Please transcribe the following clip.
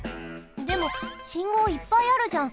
でもしんごういっぱいあるじゃん。